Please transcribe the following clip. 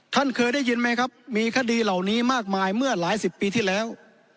ท่านเคยได้ยินไหมครับมีคดีเหล่านี้มากมายเมื่อหลายสิบปีที่แล้ว